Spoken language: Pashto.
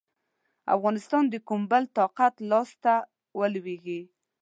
افغانستان د کوم بل طاقت لاسته ولوېږي.